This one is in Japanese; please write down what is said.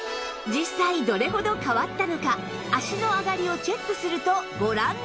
実際どれほど変わったのか足の上がりをチェックするとご覧のとおり